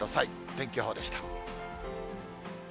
天気予報でした。